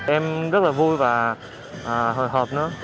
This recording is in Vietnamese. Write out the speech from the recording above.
em rất là vui và hồi hộp nữa